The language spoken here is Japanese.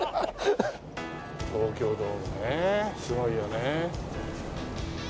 東京ドームねすごいよね。